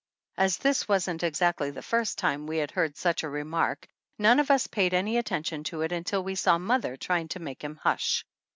As this wasn't exactly the first time we had heard such a remark none of us paid any atten tion to it until we saw mother trying to make him hush.